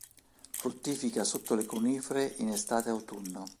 Fruttifica sotto le conifere in estate-autunno.